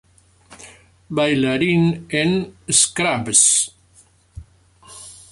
Bailarín en "Scrubs".